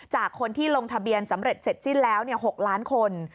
จากคนที่ลงทะเบียนสำเร็จเสร็จสิ้นแล้ว๖ล้านคน